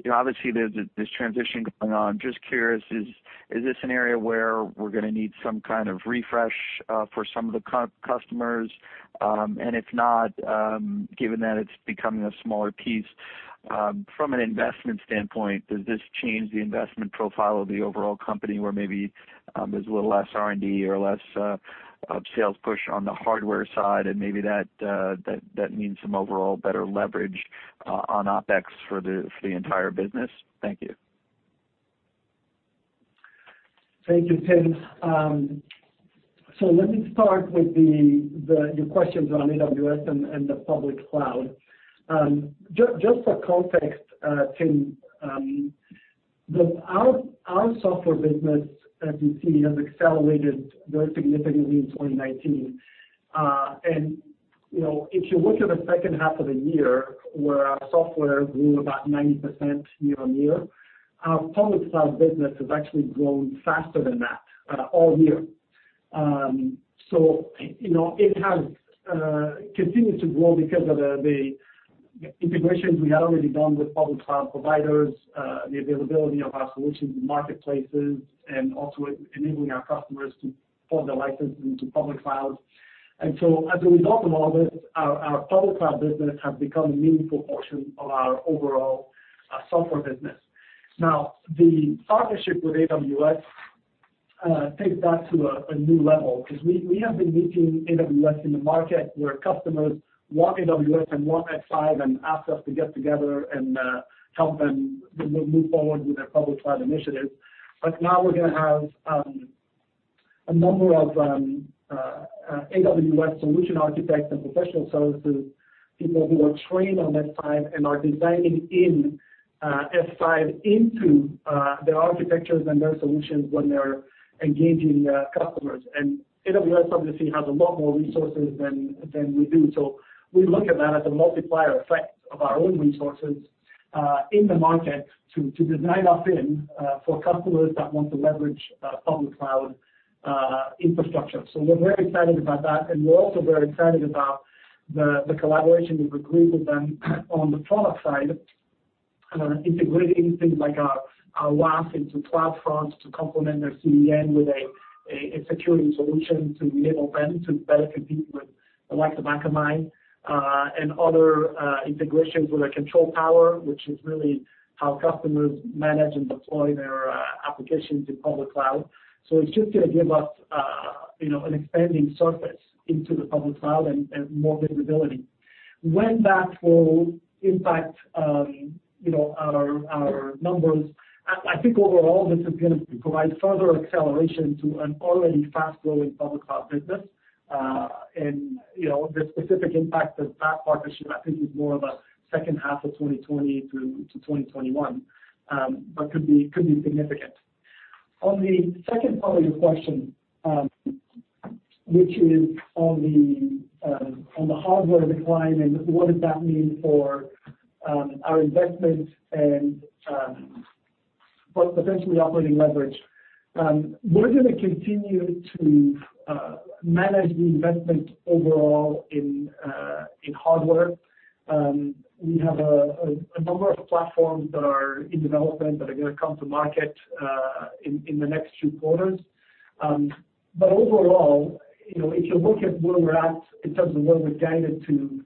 You know, obviously, there's this transition going on. Just curious, is this an area where we're gonna need some kind of refresh for some of the customers? If not, given that it's becoming a smaller piece, from an investment standpoint, does this change the investment profile of the overall company, where maybe, there's a little less R&D or less sales push on the hardware side and maybe that means some overall better leverage on OpEx for the entire business? Thank you. Thank you, Tim. Let me start with the your questions on AWS and the public cloud. Just for context, Tim, our software business, as you see, has accelerated very significantly in 2019. You know, if you look at the second half of the year where our software grew about 90% year-on-year, our public cloud business has actually grown faster than that all year. You know, it has continued to grow because of the integrations we had already done with public cloud providers, the availability of our solutions in marketplaces, and also enabling our customers to port their license into public clouds. As a result of all this, our public cloud business has become a meaningful portion of our overall software business. The partnership with AWS takes that to a new level because we have been meeting AWS in the market where customers want AWS and want F5 and ask us to get together and help them move forward with their public cloud initiatives. Now we're gonna have a number of AWS solution architects and professional services, people who are trained on F5 and are designing in F5 into their architectures and their solutions when they're engaging customers. AWS obviously has a lot more resources than we do. We look at that as a multiplier effect of our own resources in the market to design us in for customers that want to leverage public cloud infrastructure. We're very excited about that, and we're also very excited about the collaboration we've agreed with them on the product side, integrating things like our WAF into CloudFront to complement their CDN with a security solution to enable them to better compete with the likes of Akamai, and other integrations with our Control Tower, which is really how customers manage and deploy their applications in public cloud. It's just gonna give us, you know, an expanding surface into the public cloud and more visibility. When that will impact, you know, our numbers, I think overall this is gonna provide further acceleration to an already fast-growing public cloud business. You know, the specific impact of that partnership I think is more of a second half of 2020 through to 2021, but could be significant. On the second part of your question, which is on the hardware decline and what does that mean for our investment and but potentially operating leverage, we're gonna continue to manage the investment overall in hardware. We have a number of platforms that are in development that are gonna come to market in the next few quarters. Overall, you know, if you look at where we're at in terms of where we've guided to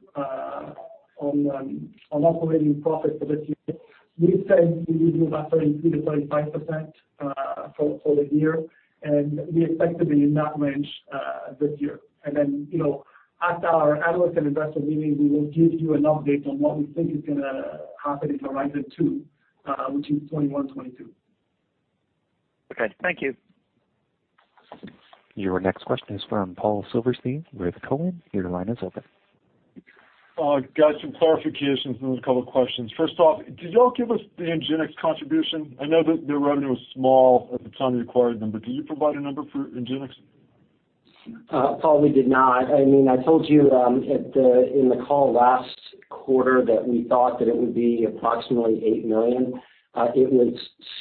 on operating profit for this year, we said we would do about 33%-35% for the year, and we expect to be in that range this year. You know, at our analyst and investor meeting, we will give you an update on what we think is gonna happen in horizon two, which is 2021, 2022. Okay. Thank you. Your next question is from Paul Silverstein with Cowen. Your line is open. I got some clarifications and a couple of questions. First off, did y'all give us the NGINX contribution? I know that their revenue was small at the time you acquired them, but can you provide a number for NGINX? Paul, we did not. I mean, I told you in the call last quarter that we thought that it would be approximately $8 million. It was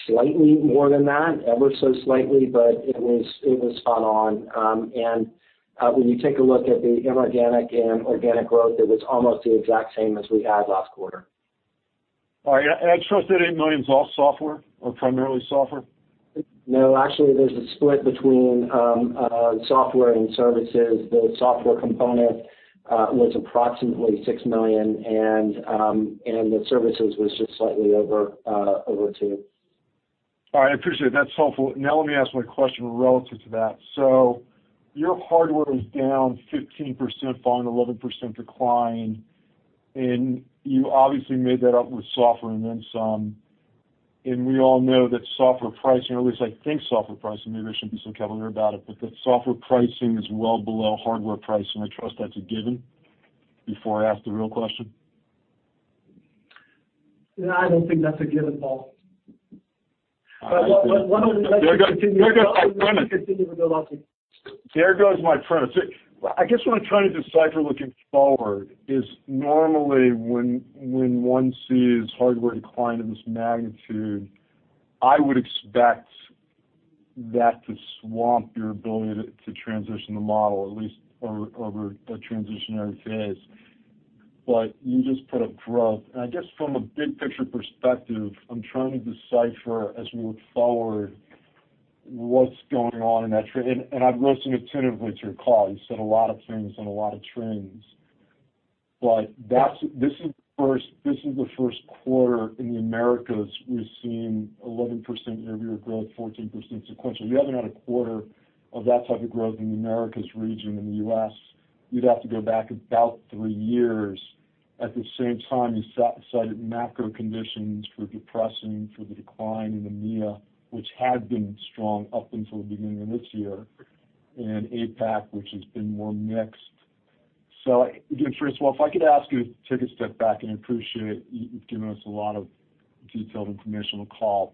slightly more than that, ever so slightly, but it was spot on. When you take a look at the inorganic and organic growth, it was almost the exact same as we had last quarter. All right. I trust that $8 million's all software or primarily software? No, actually, there's a split between software and services. The software component was approximately $6 million, and the services was just slightly over $2 million. All right, I appreciate it. That's helpful. Let me ask my question relative to that. Your hardware was down 15% following 11% decline, and you obviously made that up with software and then some. We all know that software pricing, or at least I think software pricing, maybe I shouldn't be so cavalier about it, but that software pricing is well below hardware pricing. I trust that's a given before I ask the real question. Yeah, I don't think that's a given, Paul. I- But one of the- There goes my premise. Continue to build off. There goes my premise. I guess what I'm trying to decipher looking forward is normally when one sees hardware decline of this magnitude, I would expect that to swamp your ability to transition the model at least over a transitionary phase. You just put up growth. I guess from a big-picture perspective, I'm trying to decipher as we look forward what's going on in that trend. I've listened attentively to your call. You said a lot of things and a lot of trends. This is the first quarter in the Americas we've seen 11% year-over-year growth, 14% sequential. You haven't had a quarter of that type of growth in the Americas region in the U.S. You'd have to go back about three years. At the same time, you cited macro conditions for depressing for the decline in EMEA, which had been strong up until the beginning of this year, and APAC, which has been more mixed. Again, François, if I could ask you to take a step back, and I appreciate you've given us a lot of detailed information on the call.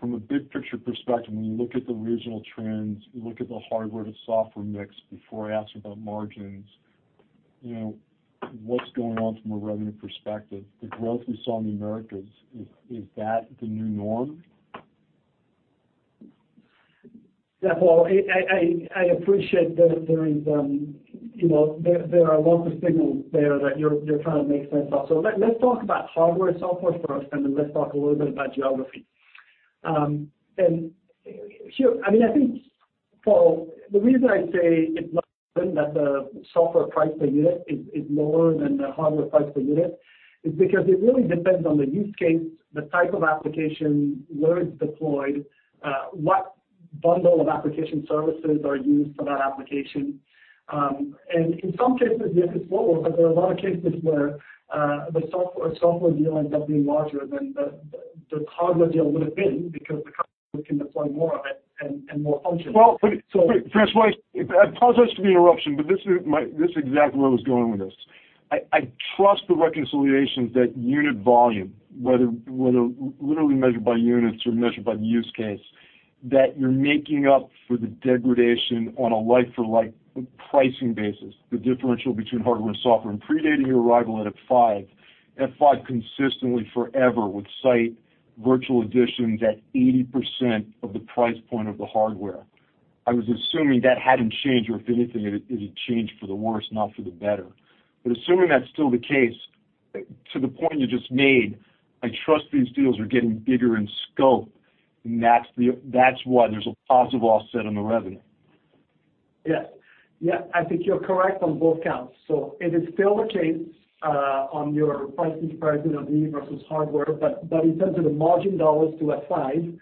From a big-picture perspective, when you look at the regional trends, you look at the hardware to software mix before I ask about margins, you know, what's going on from a revenue perspective? The growth we saw in the Americas, is that the new norm? Yeah, Paul, I appreciate that there is, you know, there are lots of signals there that you're trying to make sense of. Let's talk about hardware, software first, and then let's talk a little bit about geography. I mean, I think, Paul, the reason I say it's not certain that the software price per unit is lower than the hardware price per unit is because it really depends on the use case, the type of application, where it's deployed, what bundle of application services are used for that application. In some cases, yes, it's lower, but there are a lot of cases where the software deal ends up being larger than the hardware deal would have been because the customer can deploy more of it and more functions. Well, but- So- Wait, François, apologize for the interruption, this is exactly where I was going with this. I trust the reconciliations that unit volume, whether literally measured by units or measured by use case, that you're making up for the degradation on a like for like pricing basis, the differential between hardware and software. Predating your arrival at F5 consistently forever would cite virtual editions at 80% of the price point of the hardware. I was assuming that hadn't changed, or if anything, it had changed for the worse, not for the better. Assuming that's still the case, to the point you just made, I trust these deals are getting bigger in scope, that's why there's a positive offset on the revenue. Yes. Yeah, I think you're correct on both counts. It is still the case on your pricing comparison of VE versus hardware, but in terms of the margin dollars to F5,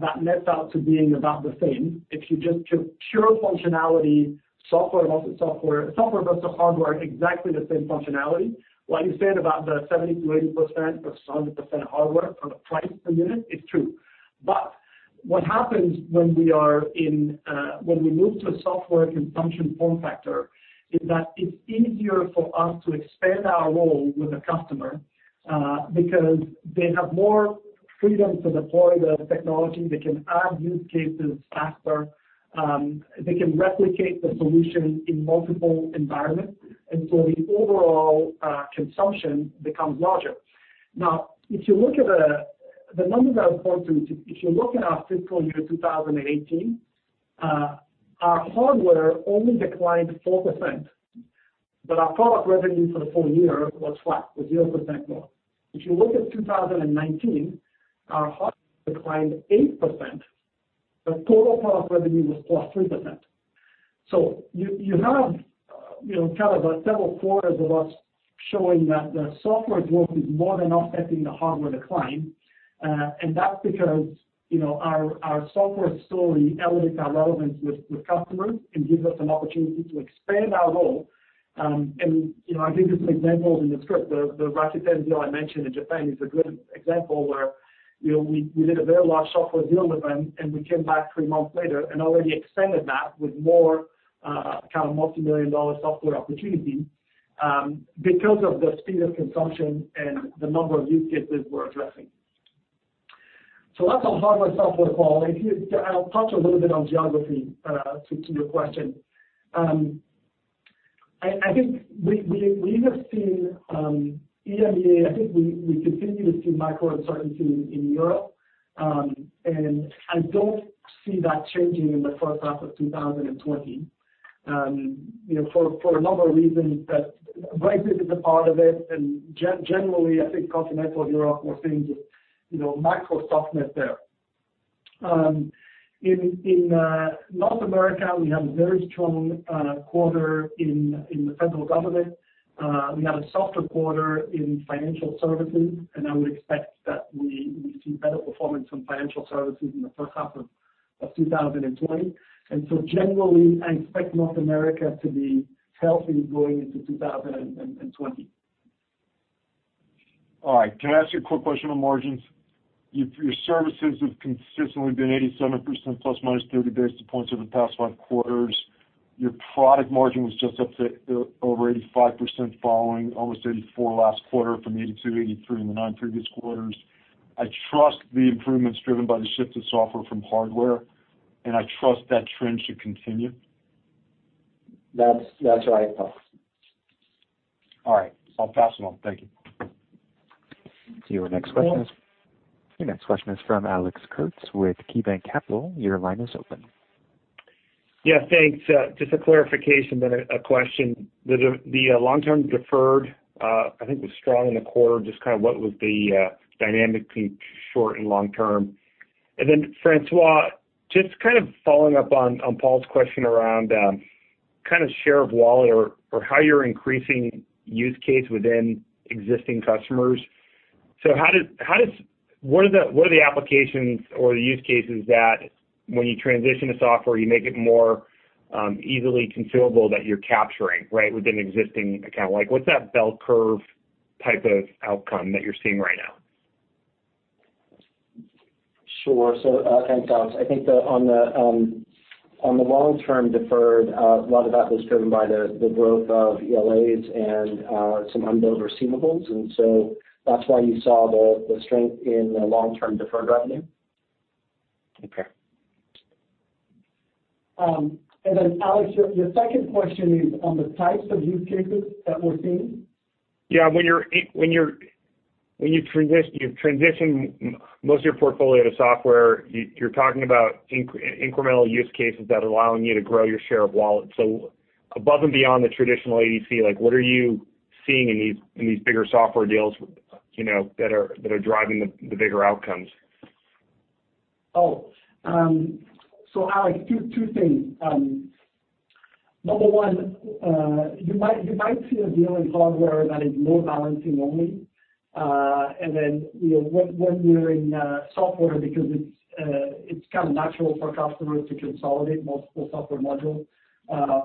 that nets out to being about the same. If you just took pure functionality, software versus hardware, exactly the same functionality, what you said about the 70%-80% versus 100% hardware for the price per unit is true. What happens when we are in, when we move to a software consumption form factor is that it's easier for us to expand our role with the customer, because they have more freedom to deploy the technology. They can add use cases faster. They can replicate the solution in multiple environments, the overall consumption becomes larger. If you look at the numbers I was pointing to, if you look at our fiscal year 2018, our hardware only declined 4%, but our product revenue for the full year was flat with 0% growth. If you look at 2019, our hardware declined 8%, but total product revenue was +3%. You now have, you know, kind of several quarters of us showing that the software growth is more than offsetting the hardware decline. That's because, you know, our software story elevates our relevance with customers and gives us an opportunity to expand our role. You know, I think this example is in the script. The Rakuten deal I mentioned in Japan is a good example where, you know, we did a very large software deal with them, and we came back three months later and already extended that with more kind of multi-million dollar software opportunity because of the speed of consumption and the number of use cases we're addressing. That's on hardware/software, Paul. I'll touch a little bit on geography to your question. I think we have seen EMEA, I think we continue to see macro uncertainty in Europe. And I don't see that changing in the first half of 2020. You know, for a number of reasons. Brexit is a part of it, and generally, I think continental Europe, we're seeing just, you know, macro softness there. In North America, we had a very strong quarter in the federal government. We had a softer quarter in financial services, and I would expect that we see better performance from financial services in the first half of 2020. Generally, I expect North America to be healthy going into 2020. All right. Can I ask you a quick question on margins? Your services have consistently been 87% plus or minus 30 basis points over the past five quarters. Your product margin was just up to over 85% following almost 84% last quarter from 82%, 83% in the nine previous quarters. I trust the improvements driven by the shift to software from hardware, and I trust that trend should continue. That's right, Paul. All right. I'll pass it on. Thank you. Your next question is from Alex Kurtz with KeyBanc Capital. Your line is open. Yeah, thanks. Just a clarification then a question. The long-term deferred, I think was strong in the quarter. Just kind of what was the dynamic between short and long term? François, just kind of following up on Paul's question around kind of share of wallet or how you're increasing use case within existing customers. What are the applications or the use cases that when you transition to software, you make it more easily consumable that you're capturing, right, within existing account? Like what's that bell curve type of outcome that you're seeing right now? Sure. Thanks, Alex. I think on the long-term deferred, a lot of that was driven by the growth of ELAs and some unbilled receivables. That's why you saw the strength in the long-term deferred revenue. Okay. Alex, your second question is on the types of use cases that we're seeing? Yeah. When you transition most of your portfolio to software, you're talking about incremental use cases that are allowing you to grow your share of wallet. Above and beyond the traditional ADC, like what are you seeing in these, in these bigger software deals, you know, that are driving the bigger outcomes? Alex, two things. Number one, you might see a deal in hardware that is load balancing only. When we're in software because it's kind of natural for customers to consolidate multiple software modules,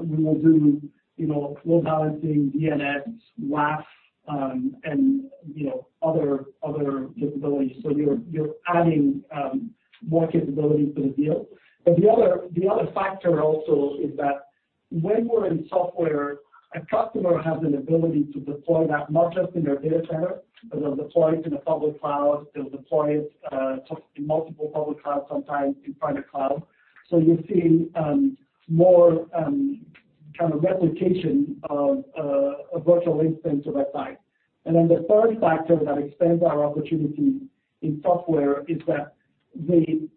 we will do, you know, load balancing, DNS, WAF, and, you know, other capabilities. You're adding more capabilities to the deal. The other factor also is that when we're in software, a customer has an ability to deploy that not just in their data center, but they'll deploy it in a public cloud. They'll deploy it in multiple public clouds, sometimes in private cloud. You're seeing more kind of replication of a virtual instance of that type. The third factor that expands our opportunity in software is that the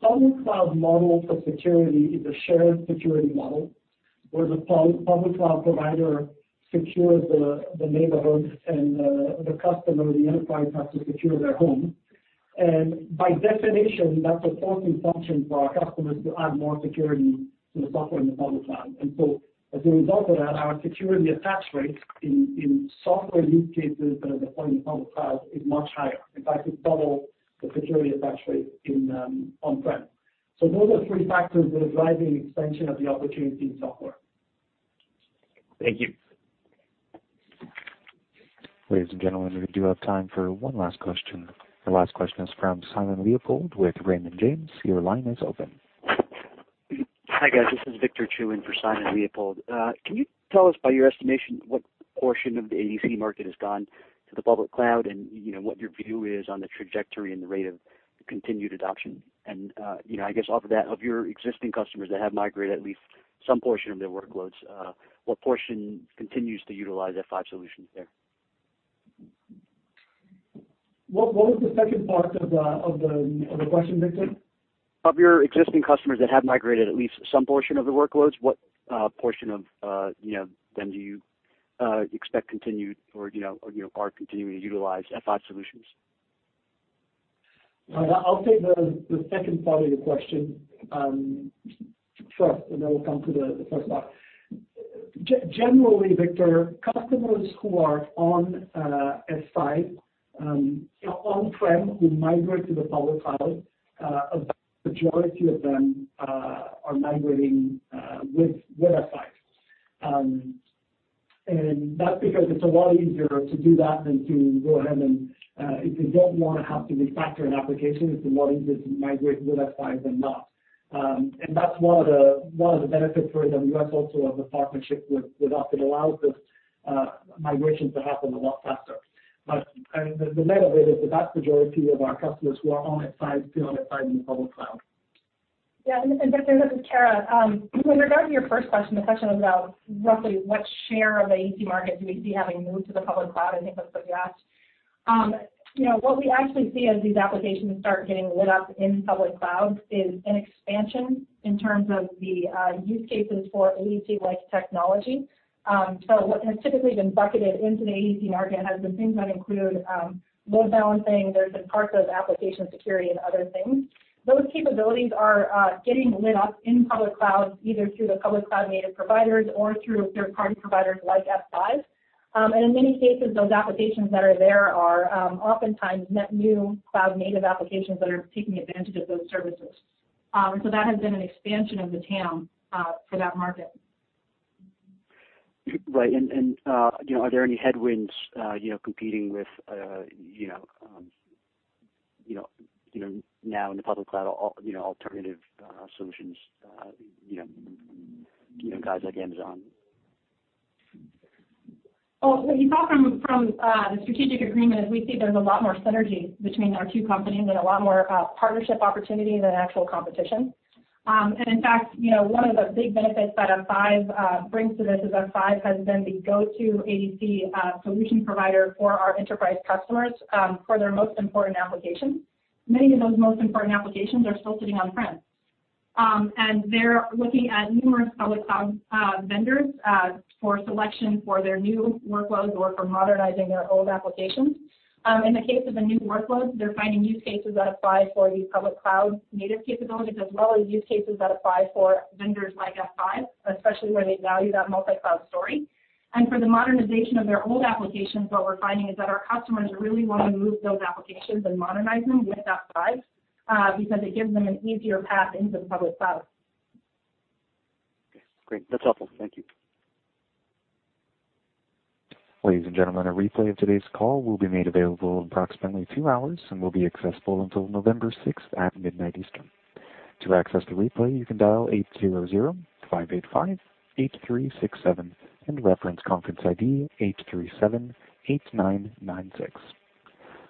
public cloud model for security is a shared security model, where the public cloud provider secures the neighborhood and the customer, the enterprise, has to secure their home. By definition, that's a forcing function for our customers to add more security to the software in the public cloud. As a result of that, our security attach rates in software use cases that are deployed in public cloud is much higher. In fact, it's double the security attach rate in on-prem. Those are three factors that are driving expansion of the opportunity in software. Thank you. Ladies and gentlemen, we do have time for one last question. Our last question is from Simon Leopold with Raymond James. Your line is open. Hi, guys. This is Victor Chiu in for Simon Leopold. Can you tell us, by your estimation, what portion of the ADC market has gone to the public cloud, and, you know, what your view is on the trajectory and the rate of continued adoption? You know, I guess off of that, of your existing customers that have migrated at least some portion of their workloads, what portion continues to utilize F5 solutions there? What was the second part of the question, Victor? Of your existing customers that have migrated at least some portion of their workloads, what portion of, you know, then do you expect continued or, you know, are continuing to utilize F5 solutions? I'll take the second part of your question first, and then we'll come to the first part. Generally, Victor, customers who are on F5, you know, on-prem who migrate to the public cloud, a majority of them are migrating with F5. That's because it's a lot easier to do that than to go ahead and, if you don't wanna have to refactor an application, it's a lot easier to migrate with F5 than not. That's one of the benefits for it, and we also have a partnership with us that allows this migration to happen a lot faster. The net of it is the vast majority of our customers who are on F5 stay on F5 in the public cloud. Victor, this is Kara. With regard to your first question, the question about roughly what share of the ADC market do we see having moved to the public cloud, I think that's what you asked. You know, what we actually see as these applications start getting lit up in public cloud is an expansion in terms of the use cases for ADC-like technology. What has typically been bucketed into the ADC market has been things that include load balancing. There's been parts of application security and other things. Those capabilities are getting lit up in public cloud, either through the public cloud-native providers or through third-party providers like F5. In many cases, those applications that are there are oftentimes net new cloud-native applications that are taking advantage of those services. That has been an expansion of the TAM for that market. Right, you know, are there any headwinds, you know, competing with, you know, you know, now in the public cloud, you know, alternative solutions, you know, guys like Amazon? What you saw from the strategic agreement is we see there's a lot more synergy between our two companies and a lot more partnership opportunity than actual competition. In fact, you know, one of the big benefits that F5 brings to this is F5 has been the go-to ADC solution provider for our enterprise customers for their most important applications. Many of those most important applications are still sitting on-prem. They're looking at numerous public cloud vendors for selection for their new workloads or for modernizing their old applications. In the case of a new workload, they're finding use cases that apply for these public cloud-native capabilities as well as use cases that apply for vendors like F5, especially where they value that multi-cloud story. For the modernization of their old applications, what we're finding is that our customers really want to move those applications and modernize them with F5 because it gives them an easier path into the public cloud. Okay, great. That's helpful. Thank you. Ladies and gentlemen, a replay of today's call will be made available in approximately two hours and will be accessible until November sixth at midnight Eastern. To access the replay, you can dial 8005858367 and reference conference ID 8378996.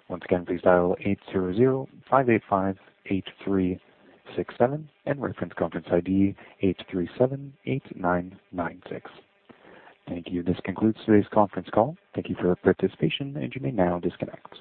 Once again, please dial 8005858367 and reference conference ID 8378996. Thank you. This concludes today's conference call. Thank you for your participation, and you may now disconnect.